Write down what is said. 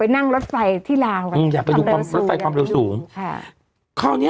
นั่งรถไฟที่ลาอืมอยากไปดูรถไฟความเร็วสูงค่ะเขานี้